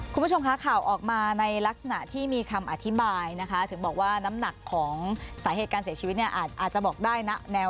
คุณผู้ชมคะข่าวออกมาในลักษณะที่มีคำอธิบายนะคะถึงบอกว่าน้ำหนักของสาเหตุการเสียชีวิตเนี่ยอาจจะบอกได้นะแนว